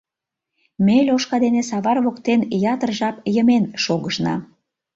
Ме Лёшка дене савар воктен ятыр жап йымен шогышна.